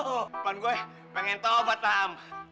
tuhan gue pengen tahu pak tam